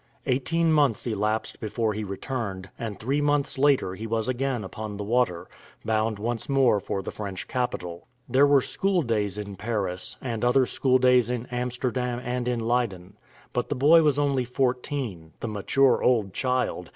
Eighteen months elapsed before he returned, and three months later he was again upon the water, bound once more for the French capital. There were school days in Paris, and other school days in Amsterdam and in Leyden; but the boy was only fourteen, the mature old child!